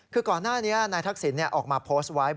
ก่อนหน้านี้นายทักษิณภรรย์ออกมาโพสต์ไว้